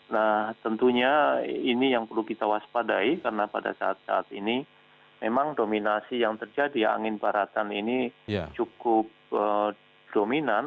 nah tentunya ini yang perlu kita waspadai karena pada saat saat ini memang dominasi yang terjadi angin baratan ini cukup dominan